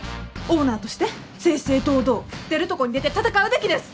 オーナーとして正々堂々出るとこに出て戦うべきです！